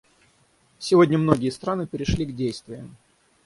Сегодня многие страны перешли к действиям.